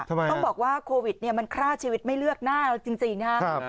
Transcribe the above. ต้องบอกว่าโควิดเนี่ยมันฆ่าชีวิตไม่เลือกหน้าจริงนะครับ